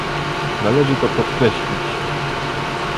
Należy to podkreślić